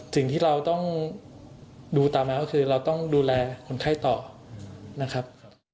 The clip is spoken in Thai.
สิ่งที่เราต้องดูตามมาก็คือเราต้องดูแลคนไข้ต่อนะครับ